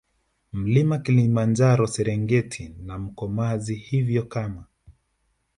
Mlima Kilimanjaro Serengeti na Mkomazi Hivyo kama